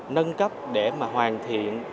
nâng cấp để mà hoàn thiện